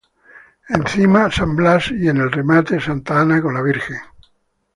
Encima San Blas y, en el remate, Santa Ana con la Virgen niña.